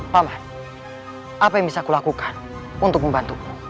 pak man apa yang bisa kulakukan untuk membantuku